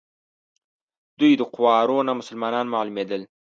دوی د قوارو نه مسلمانان معلومېدل.